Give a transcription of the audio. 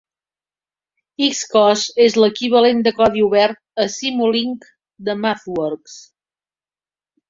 Xcos és l'equivalent de codi obert a Simulink de MathWorks.